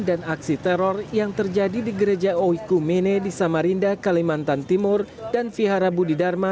dan aksi teror yang terjadi di gereja oikumine di samarinda kalimantan timur dan vihara budidharma